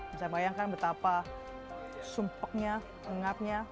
bisa bayangkan betapa sumpahnya ingatnya